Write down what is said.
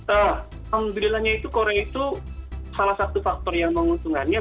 alhamdulillah salah satu faktor yang menguntungkannya